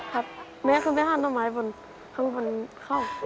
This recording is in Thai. ครับแม่ขึ้นไปห้ามหน่อไม้บนข้างบนเข้า